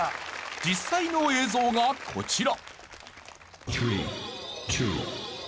実際の映像がこちら。